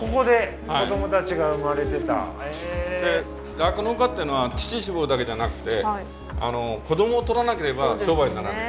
酪農家っていうのは乳搾るだけじゃなくて子どもを取らなければ商売にならない。